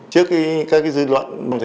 trước các dư luận